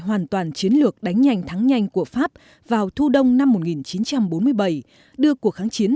hoàn toàn chiến lược đánh nhanh thắng nhanh của pháp vào thu đông năm một nghìn chín trăm bốn mươi bảy đưa cuộc kháng chiến